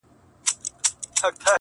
د چا د زړه ازار يې په څو واره دی اخيستی؛